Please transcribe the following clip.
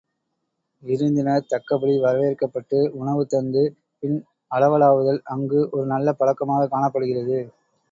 விருந்தினர் தக்கபடி வரவேற்கப் பட்டு உணவு தந்து பின் அளவளாவுதல் அங்கு ஒரு நல்ல பழக்கமாகக் காணப்படுகிறது.